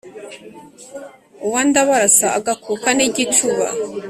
uwa ndábarása agakuka n igicúba